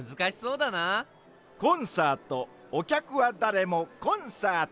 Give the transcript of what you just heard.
「コンサートおきゃくはだれもコンサート」。